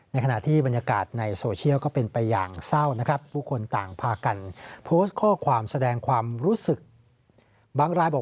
ในขณะที่บรรยากาศในโซเชียลก็เป็นไปอย่างเศร้า